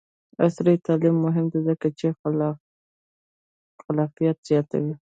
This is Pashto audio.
عصري تعلیم مهم دی ځکه چې خلاقیت زیاتوي.